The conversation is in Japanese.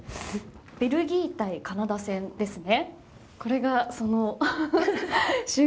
ベルギー対カナダ戦ですね。